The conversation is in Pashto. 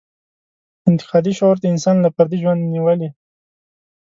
انتقادي شعور د انسان له فردي ژوند نېولې.